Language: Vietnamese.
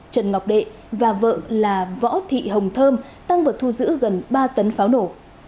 trần ngọc đệ và vợ là võ thị hồng thơm tăng vật thu giữ gần ba tấn pháo nổ